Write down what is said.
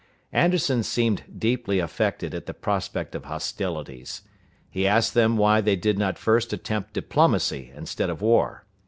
Anderson seemed deeply affected at the prospect of hostilities. He asked them why they did not first attempt diplomacy, instead of war.